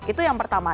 itu yang pertama